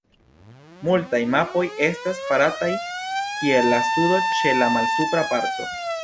Multaj mapoj estas farataj kiel la sudo ĉe la malsupra parto.